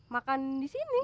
makan di sini